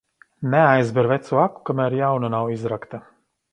Neaizber vecu aku, kamēr jauna nav izrakta.